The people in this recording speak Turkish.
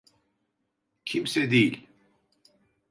Kimse değil.